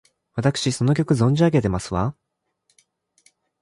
わたくしその曲、存じ上げてますわ！